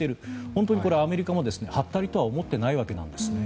本当にアメリカもはったりとは思ってないわけですね。